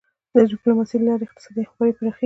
د ډیپلوماسی له لارې اقتصادي همکاري پراخیږي.